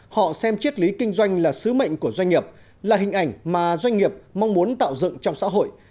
họ xem chiết lý kinh doanh là sứ mệnh của doanh nghiệp là hình ảnh mà doanh nghiệp mong muốn tạo dựng trong xã hội